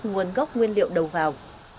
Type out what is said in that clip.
nguồn gốc nguyên liệu đầu vào